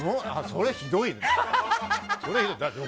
それはひどいね。